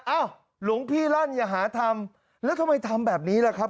หลวงพี่ลั่นอย่าหาทำแล้วทำไมทำแบบนี้ล่ะครับ